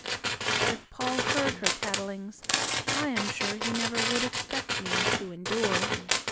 But if Paul heard her tattlings, I am sure He never would expect me to endure.